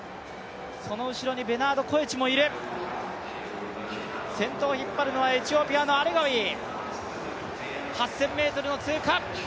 その後ろにベナード・コエチもいる先頭を引っ張るのはエチオピアのアレガウィ。